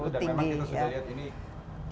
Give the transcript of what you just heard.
dan memang kita sudah lihat ini